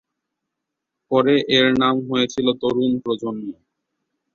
পরে এর নাম হয়েছিল "তরুণ প্রজন্ম"।